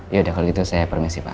yaudah kalau gitu saya permisi pak